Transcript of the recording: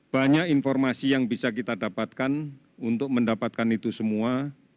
banyak informasi yang bisa kita dapatkan untuk mendapatkan itu semua